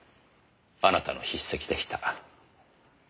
あなたの筆跡でした。